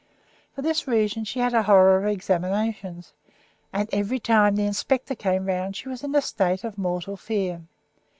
For this reason she had a horror of examinations, and every time the inspector came round she was in a state of mortal fear.